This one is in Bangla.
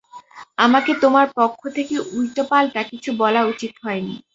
আমাকে তোমার পক্ষ থেকে উল্টোপাল্টা কিছু বলা উচিৎ হয় নি।